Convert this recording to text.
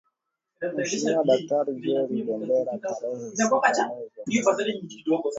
Mheshimiwa daktari Joel Bendera tarehe sita mwezi wa kumi na mbili